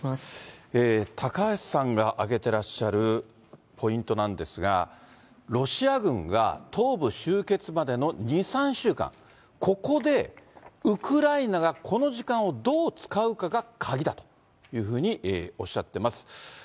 高橋さんが挙げてらっしゃるポイントなんですが、ロシア軍が東部集結までの２、３週間、ここでウクライナが、この時間をどう使うかが鍵だというふうにおっしゃっています。